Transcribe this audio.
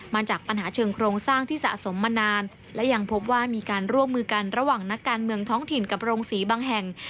มาจากปัญหาเชิงโครงสร้างที่สะสมมานานและยังพบว่ามีการร่วมมือกันระหว่างนักการเมืองท้องถิ่นกับโรงศรีบางแห่ง